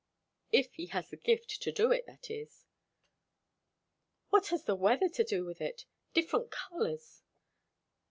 If he has the gift to do it, that is." "What has the weather to do with it? Different colours?"